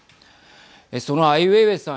そのアイ・ウェイウェイさん